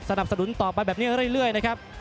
สนต่อไปแบบนี้เรื่อยนะครับ